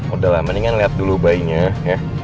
udah lama nih kan lihat dulu bayinya ya